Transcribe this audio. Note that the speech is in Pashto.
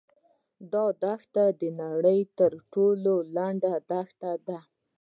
دا دښته د نړۍ تر ټولو لنډه دښته ده.